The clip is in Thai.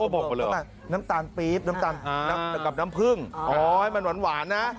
บอกมาเลยหรออ๋อน้ำตาลปี๊บน้ำตาลกับน้ำพึ่งอ๋อให้มันหวานนะ